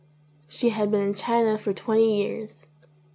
She had been in China for twenty years.